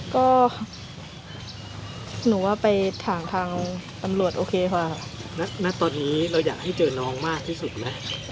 ก็หนูว่าไปถามทางตำรวจโอเคค่ะณตอนนี้เราอยากให้เจอน้องมากที่สุดไหม